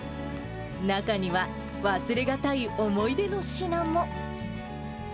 中には、忘れがたい思い出の品も。